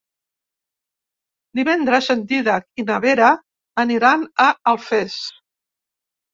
Divendres en Dídac i na Vera aniran a Alfés.